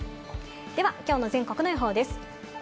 では今日の全国の予報です。